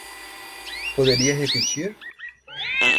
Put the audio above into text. Poderia repetir?